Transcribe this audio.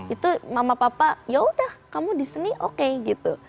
itu mama papa yaudah kamu di seni oke gitu